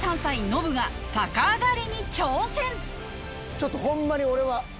ちょっとホンマに俺は。